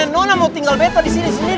nona mau tinggal beta disini sini